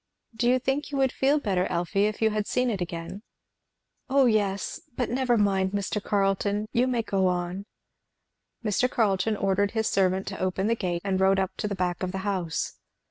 "Do you think you would feel better, Elfie, if you had seen it again?" "Oh yes! But never mind, Mr. Carleton, you may go on." Mr. Carleton ordered his servant to open the gate, and rode up to the back of the house.